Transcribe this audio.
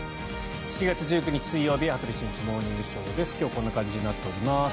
７月１９日、水曜日「羽鳥慎一モーニングショー」。今日はこんな感じになっております。